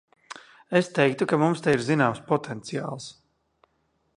Es teiktu, ka mums te ir zināms potenciāls.